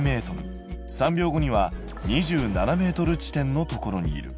３秒後には２７ｍ地点のところにいる。